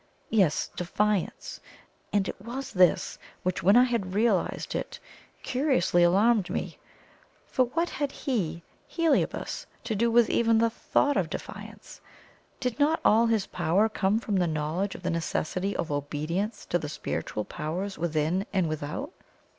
Yes, defiance; and it was this which, when I had realized it, curiously alarmed me. For what had he, Heliobas, to do with even the thought of defiance? Did not all his power come from the knowledge of the necessity of obedience to the spiritual powers within and without?